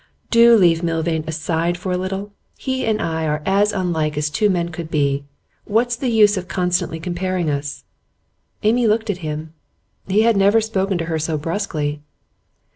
'Do leave Milvain aside for a little! He and I are as unlike as two men could be. What's the use of constantly comparing us?' Amy looked at him. He had never spoken to her so brusquely.